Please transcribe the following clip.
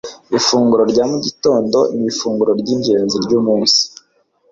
Ifunguro rya mugitondo nifunguro ryingenzi ryumunsi.